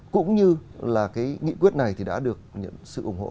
cũng như là nghị quyết này đã được sự ủng hộ